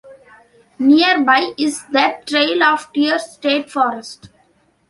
Nearby is the Trail of Tears State Forest.